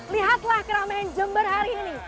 lihatlah keramaian jember hari ini